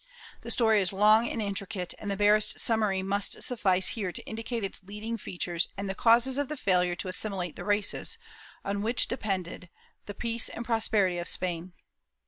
The story is long and intricate and the barest summary must suffice here to indicate its leading features and the causes of the failure to assimilate the races, on which depended the peace and prosperity of Spain.